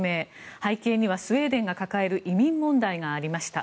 背景にはスウェーデンが抱える移民問題がありました。